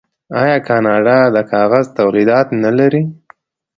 آیا کاناډا د کاغذ تولیدات نلري؟